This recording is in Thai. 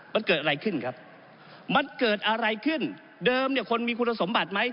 มันเกิดอะไรขึ้นครับมันเกิดอะไรขึ้นเดิมเนี่ยคนมีคุณสมบัติไหม